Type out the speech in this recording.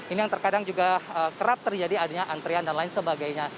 ini yang terkadang juga kerap terjadi adanya antrian dan lain sebagainya